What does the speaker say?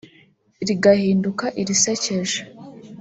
rigahinduka irisekeje